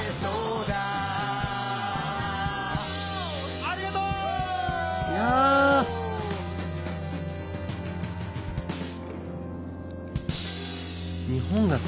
ありがとう！最高！